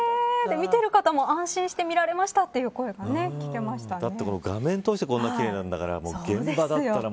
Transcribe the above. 見ている方も安心して見られましたという声が聞けましたね。